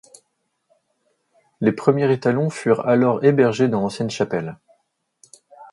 Les premiers étalons furent alors hébergés dans l’ancienne chapelle.